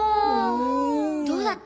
どうだった？